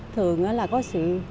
thường là có sự